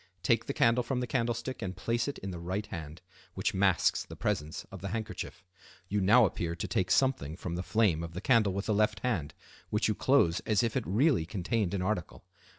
Take the candle from the candlestick and place it in the right hand, which masks the presence of the handkerchief. You now appear to take something from the flame of the candle with the left hand, which you close as if it really contained an article.